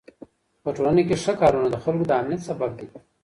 په ټولنه کې ښو کارونه د خلکو د امنيت سبب دي.